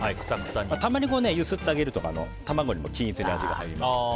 たまに揺すってあげると卵にも均一にも味が入ります。